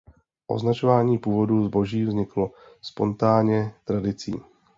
Označování původu zboží vzniklo spontánně tradicí.